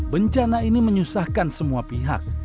bencana ini menyusahkan semua pihak